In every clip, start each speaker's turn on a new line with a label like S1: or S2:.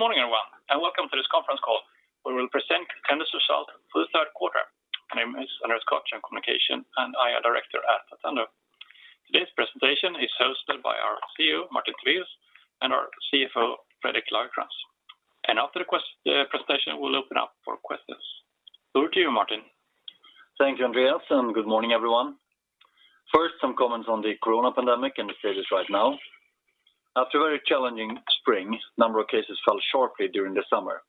S1: Good morning, everyone, welcome to this conference call, where we will present Attendo's result for the third quarter. My name is Andreas Skotheim, Communications and IR Director at Attendo. Today's presentation is hosted by our CEO, Martin Tivéus, and our CFO, Fredrik Lagercrantz. After the presentation, we'll open up for questions. Over to you, Martin.
S2: Thank you, Andreas, good morning, everyone. First, some comments on the coronavirus pandemic and the status right now. After a very challenging spring, number of cases fell sharply during the summer.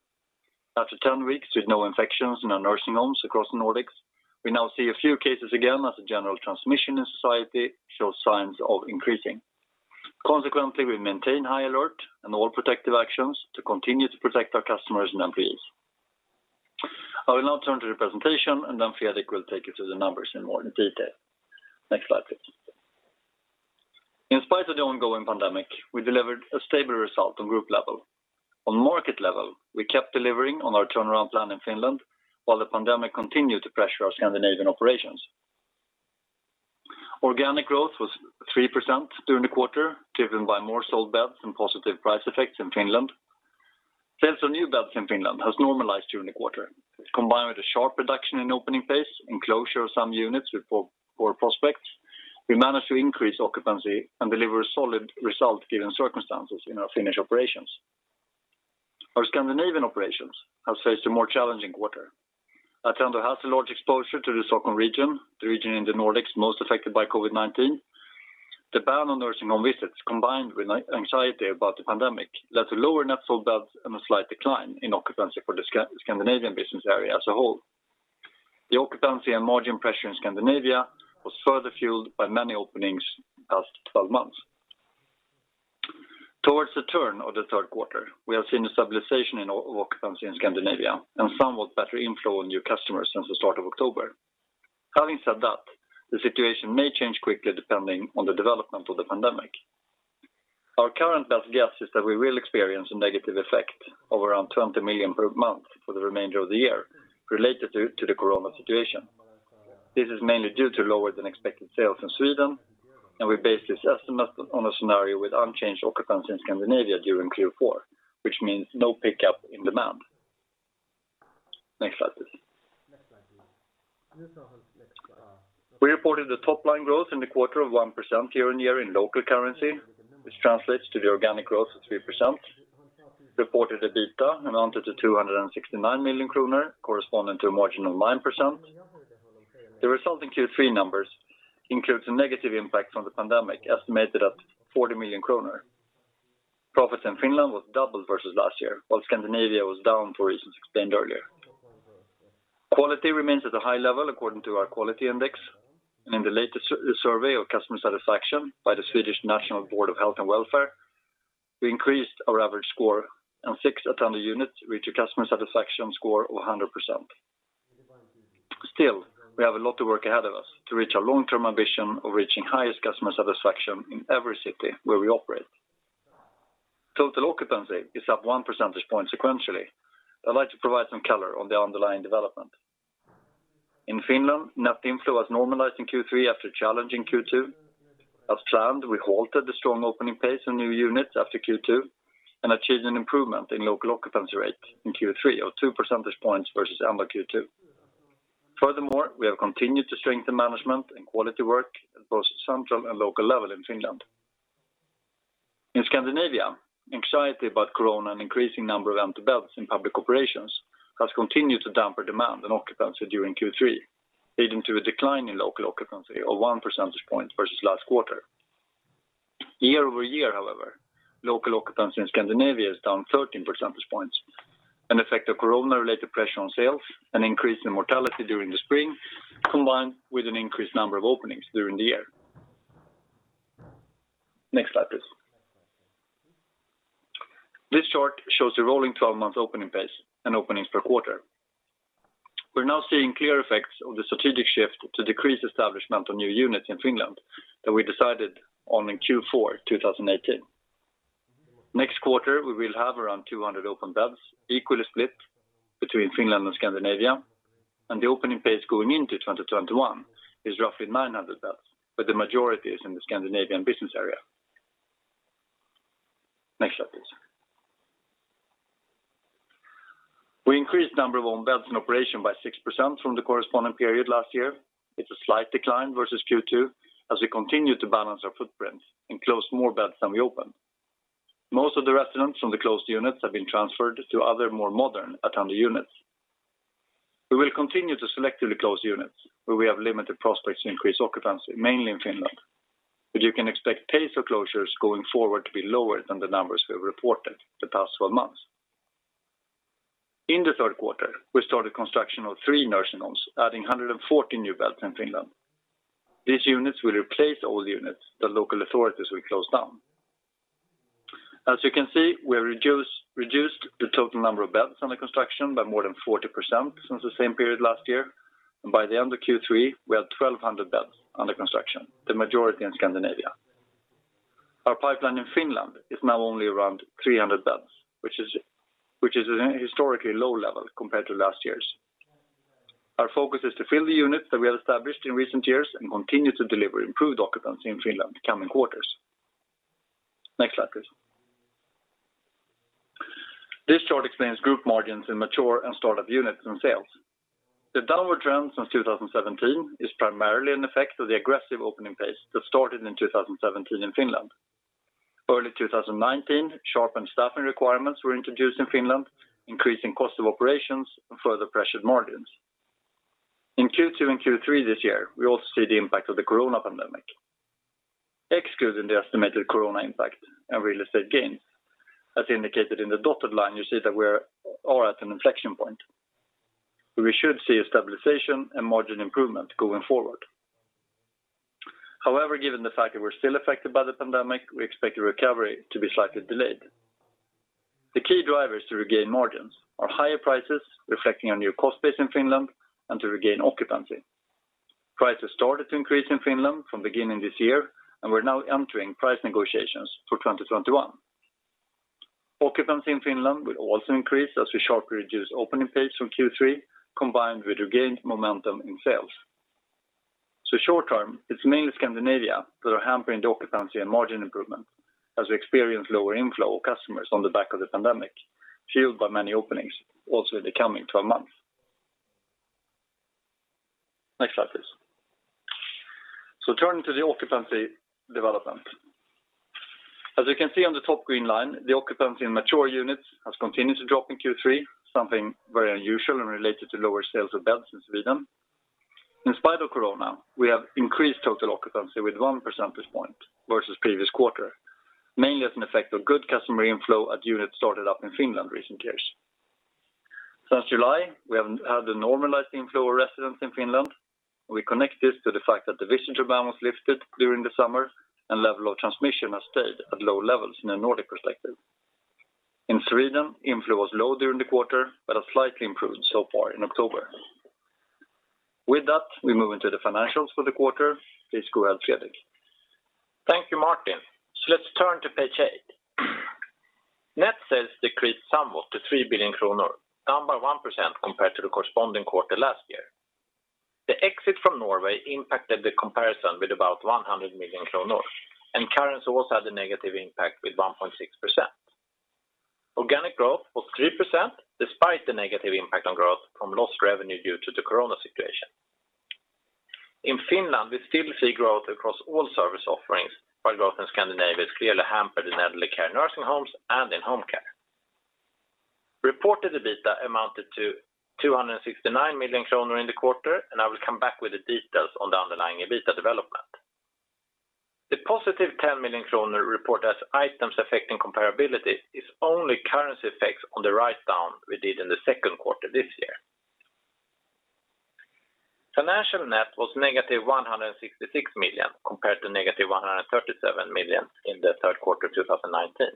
S2: After 10 weeks with no infections in our nursing homes across the Nordics, we now see a few cases again as the general transmission in society shows signs of increasing. Consequently, we maintain high alert and all protective actions to continue to protect our customers and employees. I will now turn to the presentation, then Fredrik will take you through the numbers in more detail. Next slide, please. In spite of the ongoing pandemic, we delivered a stable result on group level. On market level, we kept delivering on our turnaround plan in Finland while the pandemic continued to pressure our Scandinavian operations. Organic growth was 3% during the quarter, driven by more sold beds and positive price effects in Finland. Sales of new beds in Finland has normalized during the quarter. Combined with a sharp reduction in opening pace and closure of some units with poor prospects, we managed to increase occupancy and deliver a solid result given circumstances in our Finnish operations. Our Scandinavian operations have faced a more challenging quarter. Attendo has a large exposure to the Stockholm region, the region in the Nordics most affected by COVID-19. The ban on nursing home visits, combined with anxiety about the pandemic, led to lower net sold beds and a slight decline in occupancy for the Scandinavian business area as a whole. The occupancy and margin pressure in Scandinavia was further fueled by many openings in the past 12 months. Towards the turn of the third quarter, we have seen a stabilization in occupancy in Scandinavia and somewhat better inflow in new customers since the start of October. Having said that, the situation may change quickly depending on the development of the pandemic. Our current best guess is that we will experience a negative effect of around 20 million per month for the remainder of the year related to the coronavirus situation. This is mainly due to lower than expected sales in Sweden, and we base this estimate on a scenario with unchanged occupancy in Scandinavia during Q4, which means no pickup in demand. Next slide, please. We reported a top-line growth in the quarter of 1% year-on-year in local currency, which translates to the organic growth of 3%. Reported EBITDA amounted to 269 million kronor, corresponding to a margin of 9%. The resulting Q3 numbers includes a negative impact from the pandemic, estimated at 40 million kronor. Profits in Finland was double versus last year, while Scandinavia was down for reasons explained earlier. Quality remains at a high level according to our quality index. In the latest survey of customer satisfaction by the Swedish National Board of Health and Welfare, we increased our average score, and six Attendo units reached a customer satisfaction score of 100%. Still, we have a lot of work ahead of us to reach our long-term ambition of reaching highest customer satisfaction in every city where we operate. Total occupancy is up one percentage point sequentially. I'd like to provide some color on the underlying development. In Finland, net inflow has normalized in Q3 after challenging Q2. As planned, we halted the strong opening pace in new units after Q2 and achieved an improvement in local occupancy rate in Q3 of two percentage points versus amber Q2. Furthermore, we have continued to strengthen management and quality work at both central and local level in Finland. In Scandinavia, anxiety about coronavirus and increasing number of empty beds in public operations has continued to damper demand and occupancy during Q3, leading to a decline in local occupancy of one percentage point versus last quarter. Year-over-year, however, local occupancy in Scandinavia is down 13 percentage points. An effect of coronavirus-related pressure on sales, an increase in mortality during the spring, combined with an increased number of openings during the year. Next slide, please. This chart shows the rolling 12-month opening pace and openings per quarter. We're now seeing clear effects of the strategic shift to decrease establishment of new units in Finland that we decided on in Q4 2018. Next quarter, we will have around 200 open beds equally split between Finland and Scandinavia, and the opening pace going into 2021 is roughly 900 beds, but the majority is in the Scandinavian business area. Next slide, please. We increased number of home beds in operation by 6% from the corresponding period last year. It's a slight decline versus Q2 as we continue to balance our footprint and close more beds than we open. Most of the residents from the closed units have been transferred to other, more modern Attendo units. We will continue to selectively close units where we have limited prospects to increase occupancy, mainly in Finland. You can expect pace of closures going forward to be lower than the numbers we have reported the past 12 months. In the third quarter, we started construction of 3 nursing homes, adding 140 new beds in Finland. These units will replace old units the local authorities will close down. As you can see, we reduced the total number of beds under construction by more than 40% since the same period last year. By the end of Q3, we had 1,200 beds under construction, the majority in Scandinavia. Our pipeline in Finland is now only around 300 beds, which is an historically low level compared to last year's. Our focus is to fill the units that we have established in recent years and continue to deliver improved occupancy in Finland in the coming quarters. Next slide, please. This chart explains group margins in mature and startup units and sales. The downward trend since 2017 is primarily an effect of the aggressive opening pace that started in 2017 in Finland. Early 2019, sharpened staffing requirements were introduced in Finland, increasing cost of operations and further pressured margins. In Q2 and Q3 this year, we also see the impact of the COVID-19 pandemic. Excluding the estimated COVID-19 impact and real estate gains, as indicated in the dotted line, you see that we are at an inflection point. We should see a stabilization and margin improvement going forward. However, given the fact that we're still affected by the pandemic, we expect the recovery to be slightly delayed. The key drivers to regain margins are higher prices reflecting our new cost base in Finland and to regain occupancy. Prices started to increase in Finland from beginning this year, and we're now entering price negotiations for 2021. Occupancy in Finland will also increase as we sharply reduce opening pace from Q3, combined with regained momentum in sales. Short-term, it's mainly Scandinavia that are hampering the occupancy and margin improvement, as we experience lower inflow of customers on the back of the pandemic, fueled by many openings also in the coming 12 months. Next slide, please. Turning to the occupancy development. As you can see on the top green line, the occupancy in mature units has continued to drop in Q3, something very unusual and related to lower sales of beds in Sweden. In spite of COVID-19, we have increased total occupancy with 1% this point versus previous quarter, mainly as an effect of good customer inflow at units started up in Finland in recent years. Since July, we have had a normalized inflow of residents in Finland. We connect this to the fact that the visitor ban was lifted during the summer, and level of transmission has stayed at low levels in a Nordic perspective. In Sweden, inflow was low during the quarter but has slightly improved so far in October. With that, we move into the financials for the quarter. Please go ahead, Fredrik.
S3: Thank you, Martin. Let's turn to page eight. Net sales decreased somewhat to 3 billion kronor, down by 1% compared to the corresponding quarter last year. The exit from Norway impacted the comparison with about 100 million kronor. Currency also had a negative impact with 1.6%. Organic growth was 3%, despite the negative impact on growth from lost revenue due to the COVID situation. In Finland, we still see growth across all service offerings, while growth in Scandinavia is clearly hampered in elderly care nursing homes and in home care. Reported EBITDA amounted to 269 million kronor in the quarter. I will come back with the details on the underlying EBITDA development. The positive 10 million kronor report as items affecting comparability is only currency effects on the write-down we did in the second quarter this year. Financial net was negative 166 million compared to negative 137 million in the third quarter of 2019.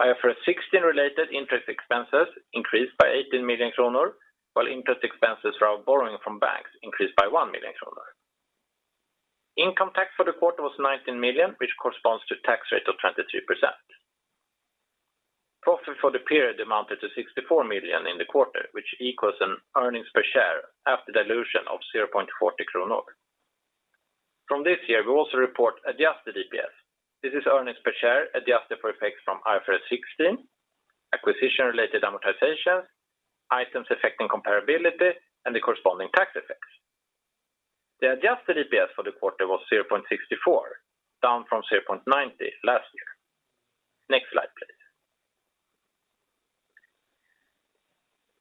S3: IFRS 16-related interest expenses increased by 18 million kronor, while interest expenses for our borrowing from banks increased by 1 million kronor. Income tax for the quarter was 19 million, which corresponds to a tax rate of 23%. Profit for the period amounted to 64 million in the quarter, which equals an earnings per share after dilution of 0.40 kronor. From this year, we also report adjusted EPS. This is earnings per share adjusted for effects from IFRS 16, acquisition-related amortizations, items affecting comparability, and the corresponding tax effects. The adjusted EPS for the quarter was 0.64, down from 0.90 last year. Next slide, please.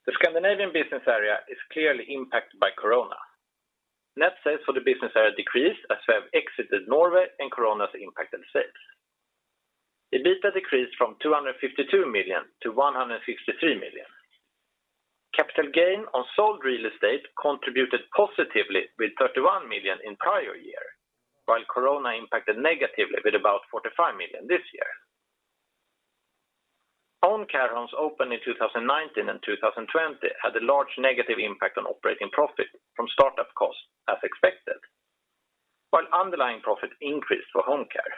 S3: The Scandinavian business area is clearly impacted by COVID. Net sales for the business area decreased as we have exited Norway and COVID has impacted sales. EBITDA decreased from 252 million to 163 million. Capital gain on sold real estate contributed positively with 31 million in prior year, while COVID-19 impacted negatively with about 45 million this year. Own care homes opened in 2019 and 2020 had a large negative impact on operating profit from startup costs as expected, while underlying profit increased for home care.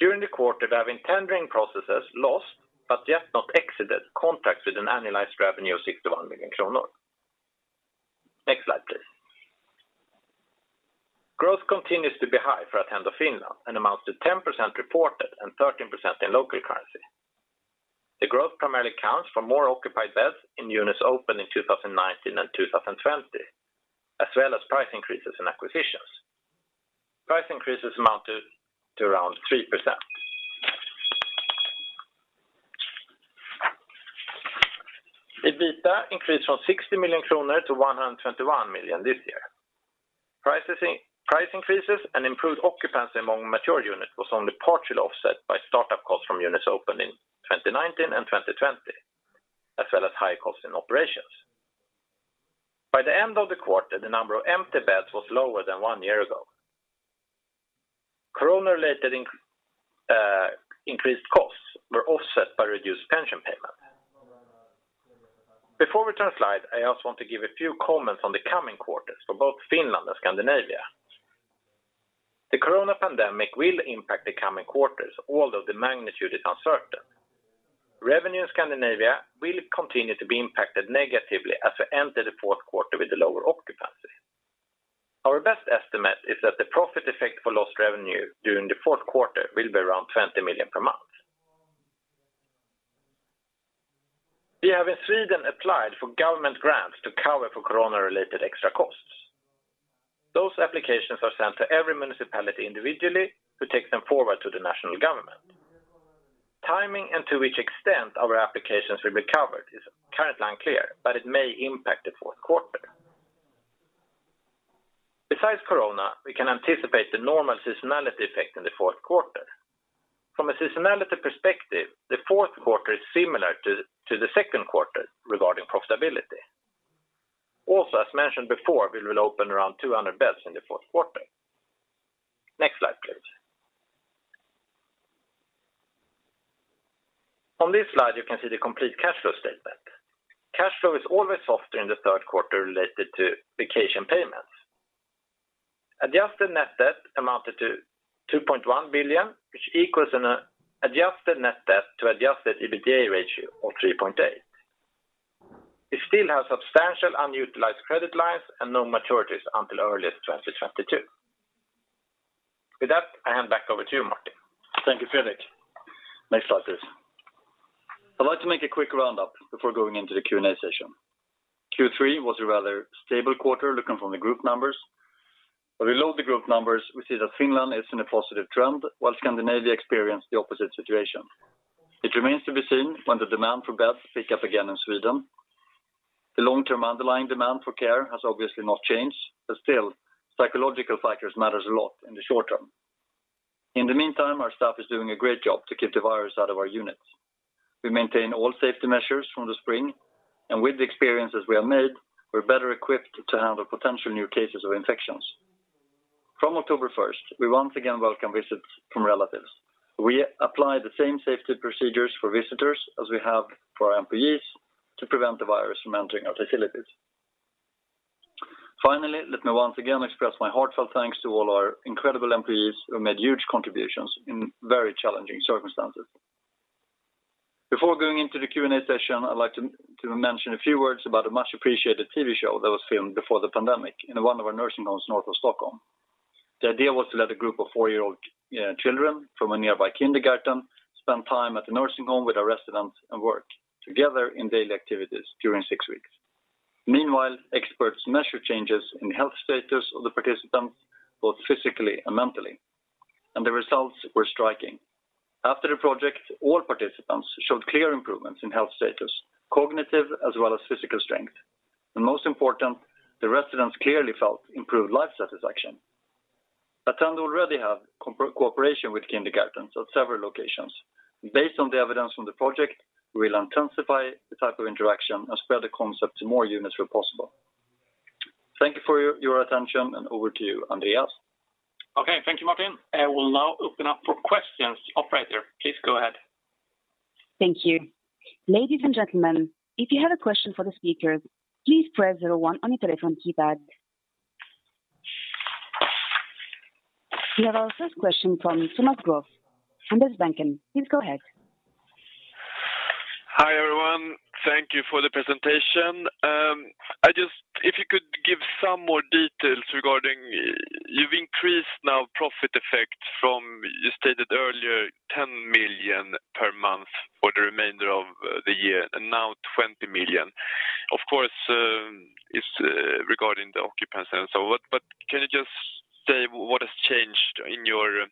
S3: During the quarter, we have in tendering processes lost but yet not exited contracts with an annualized revenue of 61 million kronor. Next slide, please. Growth continues to be high for Attendo Finland and amounts to 10% reported and 13% in local currency. The growth primarily accounts for more occupied beds in units opened in 2019 and 2020, as well as price increases and acquisitions. Price increases amounted to around 3%. EBITDA increased from 60 million kronor to 121 million this year. Price increases and improved occupancy among mature units was only partially offset by startup costs from units opened in 2019 and 2020, as well as high costs in operations. By the end of the quarter, the number of empty beds was lower than one year ago. COVID-related increased costs were offset by reduced pension payment. Before we turn slide, I also want to give a few comments on the coming quarters for both Finland and Scandinavia. The corona pandemic will impact the coming quarters, although the magnitude is uncertain. Revenue in Scandinavia will continue to be impacted negatively as we enter the fourth quarter with the lower occupancy. Our best estimate is that the profit effect for lost revenue during the fourth quarter will be around 20 million per month. We have in Sweden applied for government grants to cover for corona-related extra costs. Those applications are sent to every municipality individually who take them forward to the national government. Timing and to which extent our applications will be covered is currently unclear, but it may impact the fourth quarter. Besides corona, we can anticipate the normal seasonality effect in the fourth quarter. From a seasonality perspective, the fourth quarter is similar to the second quarter regarding profitability. Also, as mentioned before, we will open around 200 beds in the fourth quarter. Next slide, please. On this slide, you can see the complete cash flow statement. Cash flow is always softer in the third quarter related to vacation payments. Adjusted net debt amounted to 2.1 billion, which equals an adjusted net debt to adjusted EBITDA ratio of 3.8. We still have substantial unutilized credit lines and no maturities until early 2022. With that, I hand back over to you, Martin.
S2: Thank you, Fredrik. Next slide, please. I'd like to make a quick roundup before going into the Q&A session. Q3 was a rather stable quarter looking from the group numbers. Below the group numbers, we see that Finland is in a positive trend, while Scandinavia experienced the opposite situation. It remains to be seen when the demand for beds will pick up again in Sweden. The long-term underlying demand for care has obviously not changed, but still, psychological factors matter a lot in the short term. In the meantime, our staff is doing a great job to keep the virus out of our units. We maintain all safety measures from the spring, and with the experiences we have made, we're better equipped to handle potential new cases of infections. From October 1st, we once again welcome visits from relatives. We apply the same safety procedures for visitors as we have for our employees to prevent the virus from entering our facilities. Finally, let me once again express my heartfelt thanks to all our incredible employees who made huge contributions in very challenging circumstances. Before going into the Q&A session, I'd like to mention a few words about a much-appreciated TV show that was filmed before the pandemic in one of our nursing homes north of Stockholm. The idea was to let a group of four-year-old children from a nearby kindergarten spend time at the nursing home with our residents and work together in daily activities during six weeks. Meanwhile, experts measured changes in health status of the participants, both physically and mentally, and the results were striking. After the project, all participants showed clear improvements in health status, cognitive as well as physical strength, and most important, the residents clearly felt improved life satisfaction. Attendo already have cooperation with kindergartens at several locations. Based on the evidence from the project, we'll intensify the type of interaction and spread the concept to more units where possible. Thank you for your attention, and over to you, Andreas.
S1: Okay. Thank you, Martin. I will now open up for questions. Operator, please go ahead.
S4: Thank you. Ladies and gentlemen, if you have a question for the speakers, please press zero one on your telephone keypad. We have our first question from Thomas Graf, Handelsbanken. Please go ahead.
S5: Hi, everyone. Thank you for the presentation. If you could give some more details regarding You've increased now profit effect from, you stated earlier, 10 million per month for the remainder of the year and now 20 million. Of course, it's regarding the occupancy and so on, but can you just say what has changed in your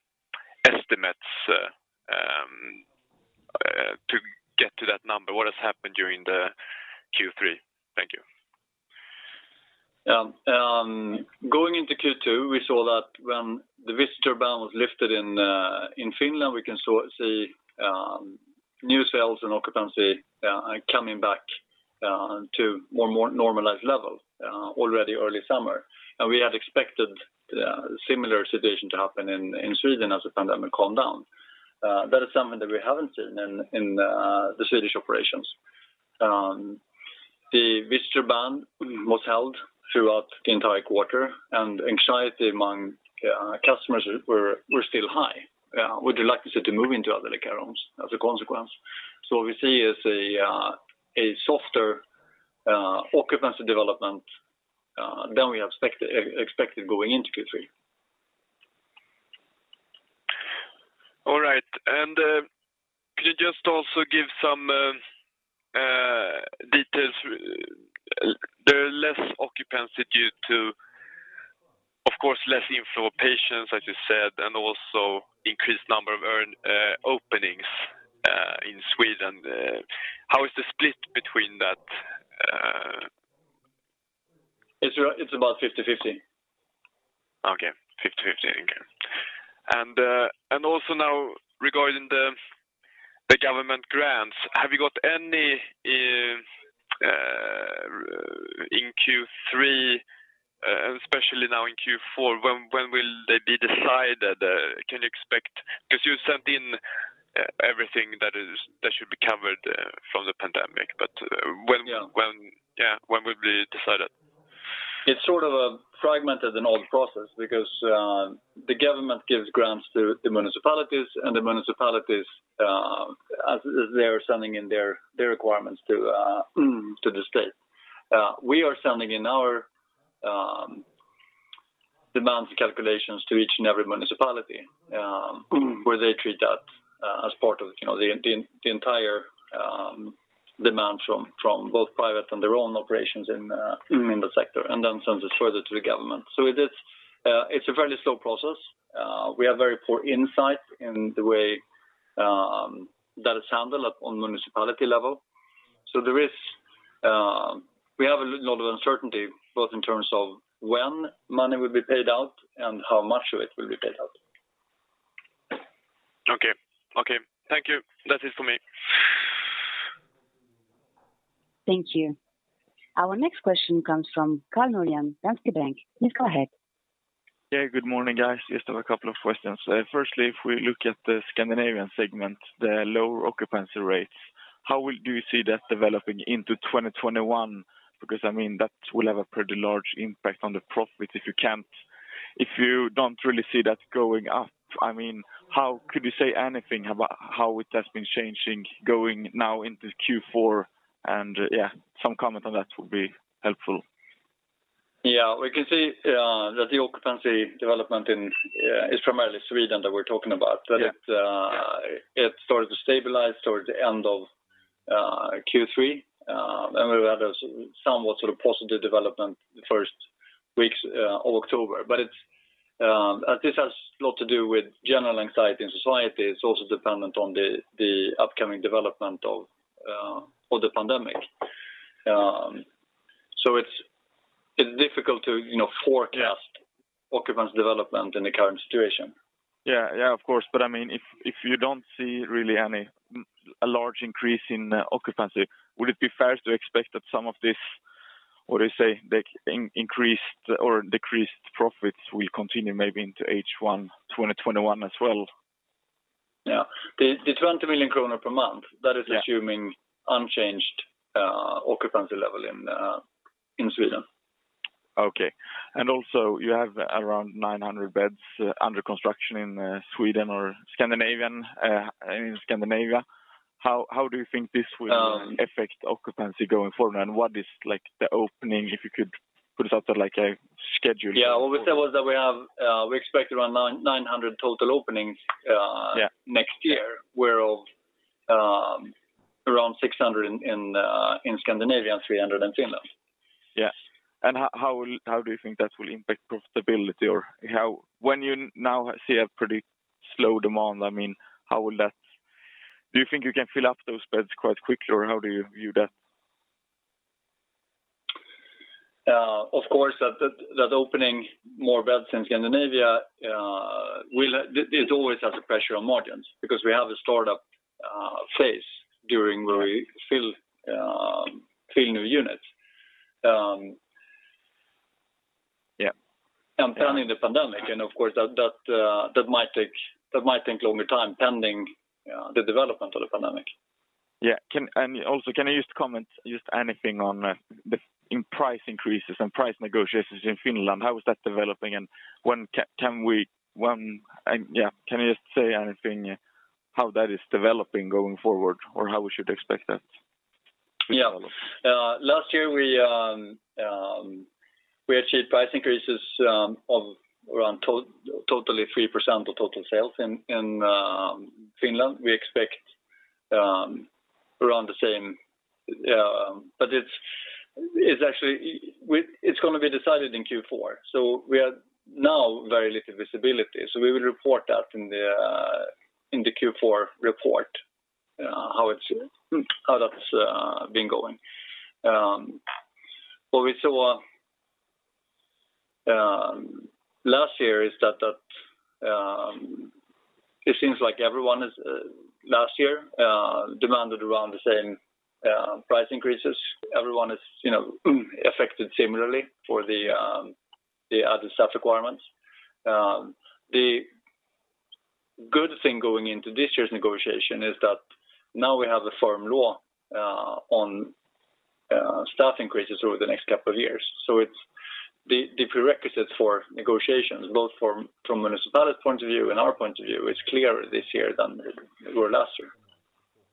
S5: estimates to get to that number? What has happened during the Q3? Thank you.
S2: Going into Q2, we saw that when the visitor ban was lifted in Finland, we can see new sales and occupancy are coming back to more normalized level already early summer. We had expected a similar situation to happen in Sweden as the pandemic calmed down. That is something that we haven't seen in the Swedish operations. The visitor ban was held throughout the entire quarter, and anxiety among customers were still high, with reluctance to move into elderly care homes as a consequence. What we see is a softer occupancy development than we expected going into Q3.
S5: All right. Could you just also give some details? There are less occupancy due to, of course, less inflow of patients, as you said, and also increased number of openings in Sweden. How is the split between that?
S2: It's about 50/50.
S5: Okay. 50/50. Also now regarding the government grants, have you got any in Q3, especially now in Q4? When will they be decided? You sent in everything that should be covered from the pandemic. Yeah. When will it be decided?
S2: It's a fragmented and old process because the government gives grants to the municipalities. The municipalities, as they're sending in their requirements to the state. We are sending in our demands calculations to each and every municipality, where they treat that as part of the entire demand from both private and their own operations in the sector, and then sends it further to the government. It's a very slow process. We have very poor insight in the way that it's handled up on municipality level. We have a lot of uncertainty, both in terms of when money will be paid out and how much of it will be paid out.
S5: Okay. Thank you. That's it for me.
S4: Thank you. Our next question comes from Karl Norén, Danske Bank. Please go ahead.
S6: Good morning, guys. Just have a couple of questions. Firstly, if we look at the Scandinavian segment, the lower occupancy rates, how do you see that developing into 2021? That will have a pretty large impact on the profit if you don't really see that going up. Could you say anything about how it has been changing going now into Q4? Some comment on that would be helpful.
S2: Yeah. We can see that the occupancy development, it's primarily Sweden that we're talking about.
S6: Yeah.
S2: That it started to stabilize towards the end of Q3. We had a somewhat positive development the first weeks of October. This has a lot to do with general anxiety in society. It's also dependent on the upcoming development of the pandemic. It's difficult to forecast.
S6: Yeah.
S2: Occupancy development in the current situation.
S6: Yeah, of course. If you don't see really a large increase in occupancy, would it be fair to expect that some of this, what you say, decreased profits will continue maybe into H1 2021 as well?
S2: Yeah. The 20 million kronor per month, that is assuming unchanged occupancy level in Sweden.
S6: Okay. Also you have around 900 beds under construction in Sweden or in Scandinavia. How do you think this will affect occupancy going forward? What is the opening, if you could put it out there like a schedule?
S2: Yeah. What we said was that we expect around 900 total openings next year. Whereof around 600 in Scandinavia and 300 in Finland.
S6: Yeah. How do you think that will impact profitability? When you now see a pretty slow demand, do you think you can fill up those beds quite quickly, or how do you view that?
S2: Of course, that opening more beds in Scandinavia, it always has a pressure on margins because we have a startup phase during where we fill new units. Planning the pandemic, and of course that might take longer time pending the development of the pandemic.
S6: Yeah. Also, can you just comment anything on the price increases and price negotiations in Finland? How is that developing, and can you just say anything how that is developing going forward or how we should expect that to develop?
S2: Last year, we achieved price increases of around totally 3% of total sales in Finland. We expect around the same. Actually, it's going to be decided in Q4. We have now very little visibility. We will report that in the Q4 report, how that's been going. What we saw last year is that it seems like everyone last year demanded around the same price increases. Everyone is affected similarly for the other staff requirements. The good thing going into this year's negotiation is that now we have a firm law on staff increases over the next couple of years. The prerequisite for negotiations, both from municipality's point of view and our point of view, is clearer this year than it were last year.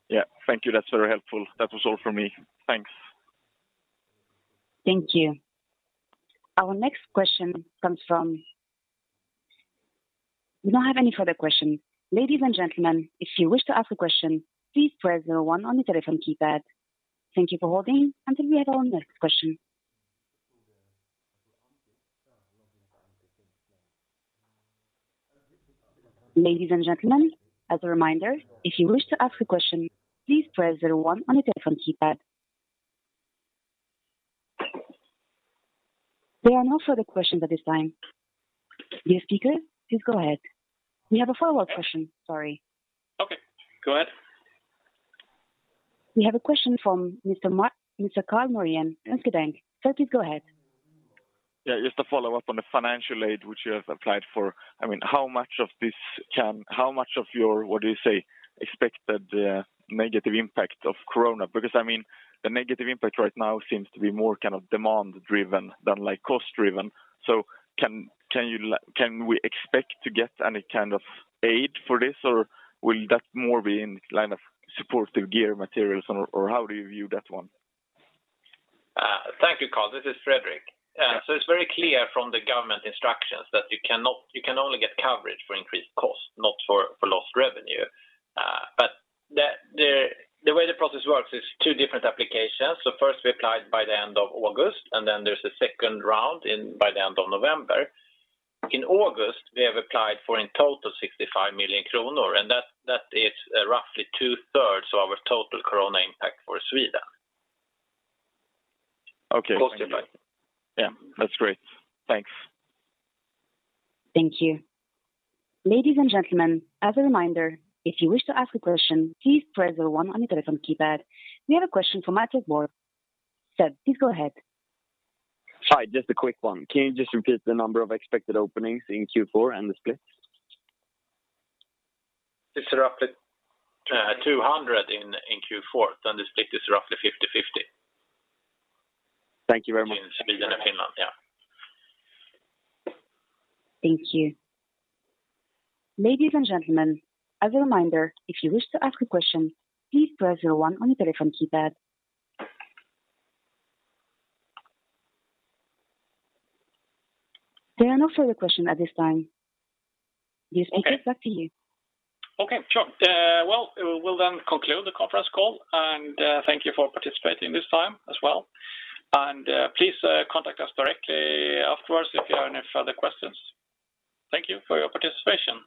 S6: Yeah. Thank you. That's very helpful. That was all for me. Thanks.
S4: Thank you. We don't have any further questions. There are no further questions at this time. Dear speakers, please go ahead. We have a follow-up question. Sorry.
S2: Okay. Go ahead.
S4: We have a question from Mr. Karl Norén, Danske Bank. Sir, please go ahead.
S6: Yeah, just a follow-up on the financial aid which you have applied for. How much of your expected negative impact of COVID? The negative impact right now seems to be more demand-driven than cost-driven. Can we expect to get any kind of aid for this, or will that more be in line of supportive gear materials, or how do you view that one?
S3: Thank you, Karl. This is Fredrik. It is very clear from the government instructions that you can only get coverage for increased costs, not for lost revenue. The way the process works is two different applications. First we applied by the end of August, and then there is a second round by the end of November. In August, we have applied for, in total, 65 million kronor, and that is roughly two-thirds of our total COVID impact for Sweden.
S6: Okay.
S3: Cost-wise.
S6: Yeah, that's great. Thanks.
S4: Thank you. We have a question from Matthew Moore. Sir, please go ahead.
S7: Hi, just a quick one. Can you just repeat the number of expected openings in Q4 and the split?
S3: It's roughly 200 in Q4, then the split is roughly 50-50.
S7: Thank you very much.
S3: In Sweden and Finland, yeah.
S4: Thank you. Ladies and gentlemen, as a reminder, if you wish to ask a question, please press zero one on your telephone keypad. There are no further questions at this time.
S3: Okay.
S4: Mr. Skotheim, back to you.
S1: Okay, sure. Well, we'll then conclude the conference call, thank you for participating this time as well. Please contact us directly afterwards if you have any further questions. Thank you for your participation.